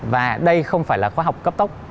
và đây không phải là khoa học cấp tốc